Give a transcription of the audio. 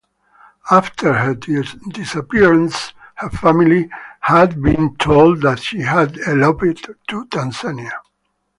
After her disappearance her family had been told that she had eloped to Tanzania.